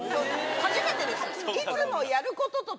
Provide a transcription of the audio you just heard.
初めてです。